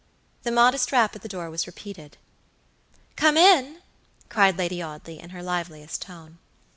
The modest rap at the door was repeated. "Come in," cried Lady Audley, in her liveliest tone.